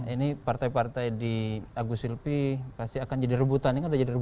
ini partai partai di agus silpi pasti akan jadi rebutan